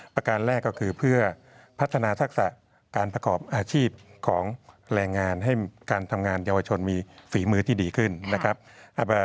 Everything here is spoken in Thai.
ประการแรกก็คือเพื่อพัฒนาทักษะการประกอบอาชีพของแรงงานให้การทำงานเยาวชนมีฝีมือที่ดีขึ้นนะครับ